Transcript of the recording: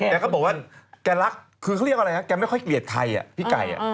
แกก็บอกว่าแกรักคือเขาเรียกอะไรนะแกไม่ค่อยเกลียดใครพี่ไก่